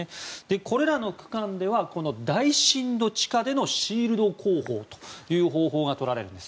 これらの区間では大深度地下でのシールド工法という方法がとられるんです。